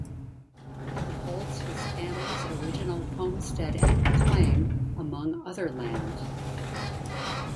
He holds his family's original Homestead Act claim among other land.